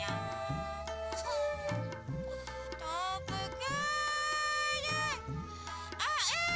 ayo pergi pergi pergi